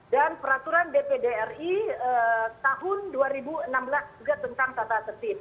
dan peraturan dpd ri tahun dua ribu enam belas juga tentang tata tertib